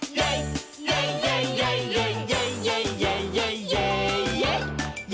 イェイイェイイェイイェイ」「イェイイェイイェイイェイイェイｙｅａｈ！！」